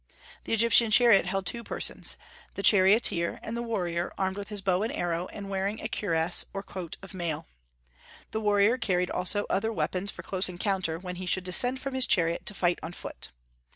The Egyptian chariot held two persons, the charioteer, and the warrior armed with his bow and arrow and wearing a cuirass, or coat of mail. The warrior carried also other weapons for close encounter, when he should descend from his chariot to fight on foot.